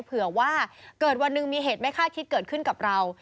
เผื่อว่าเกิดวันหนึ่งมีเหตุไม่คาดคิดเกิดขึ้นกับเรา